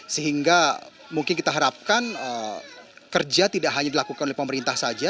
sehingga mungkin kita harapkan kerja tidak hanya dilakukan oleh pemerintah saja